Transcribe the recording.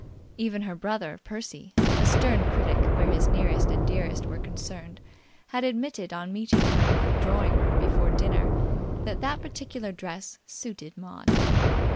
Even her brother, Percy, a stern critic where his nearest and dearest were concerned, had admitted on meeting her in the drawing room before dinner that that particular dress suited Maud.